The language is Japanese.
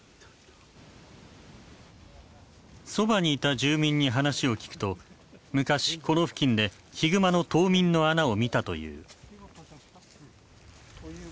そばにいた住民に話を聞くと昔この付近でヒグマの冬眠の穴を見たという。